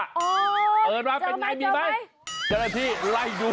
โอ้โฮเจอไหมเปิดมาเป็นไงมีไหมจรภีร์ไล่ดู